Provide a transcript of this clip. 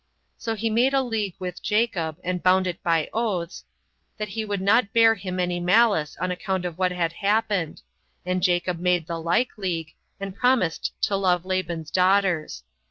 So he made a league with Jacob, and bound it by oaths, that he would not bear him any malice on account of what had happened; and Jacob made the like league, and promised to love Laban's daughters.